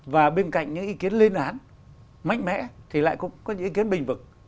và bên cạnh những ý kiến lên án mạnh mẽ thì lại cũng có những ý kiến bình vực